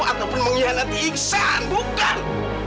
ataupun mengkhianati iksan bukan